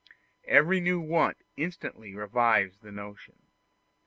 Every new want instantly revives the notion.